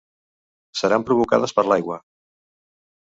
Seran provocades per l'aigua.